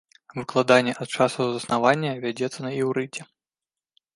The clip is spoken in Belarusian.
Выкладанне ад часу заснавання вядзецца на іўрыце.